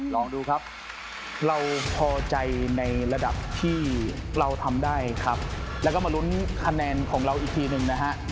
ลองดูครับเราพอใจในระดับที่เราทำได้ครับแล้วก็มาลุ้นคะแนนของเราอีกทีหนึ่งนะฮะ